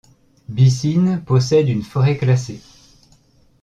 Bissine possède une forêt classée.